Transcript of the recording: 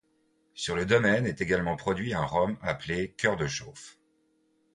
Sur le domaine est également produit un rhum appelé cœur de chauffe.